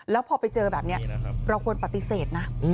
แล้วพอไปเจอแบบนี้เราควรปฏิเสธนะ